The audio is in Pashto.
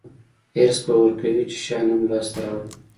حرص به ورکوي چې شیان هم لاسته راوړم.